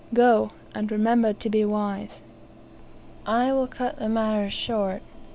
Go, and remember to be wise." I will cut the matter short.